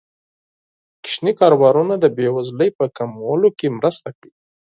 کوچني کاروبارونه د بې وزلۍ په کمولو کې مرسته کوي.